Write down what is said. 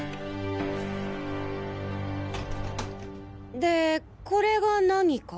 でこれが何か？